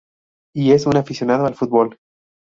Y es un aficionado al fútbol.